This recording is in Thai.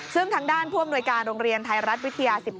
ซึ่งทางด้านผู้อำนวยการโรงเรียนไทยรัฐวิทยา๑๙